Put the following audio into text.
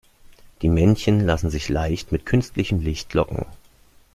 Die Männchen lassen sich leicht mit künstlichem Licht locken.